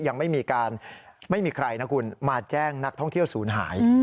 ยังไม่มีการไม่มีใครนะคุณมาแจ้งนักท่องเที่ยวศูนย์หาย